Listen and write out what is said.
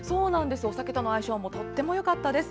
お酒との相性もとってもよかったです。